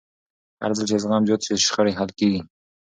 هرځل چې زغم زیات شي، شخړې حل کېږي.